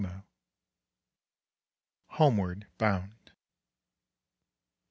HOMEWARD BOUND.